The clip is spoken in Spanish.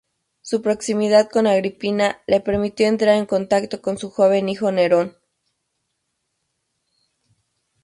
Su proximidad con Agripina le permitió entrar en contacto con su joven hijo Nerón.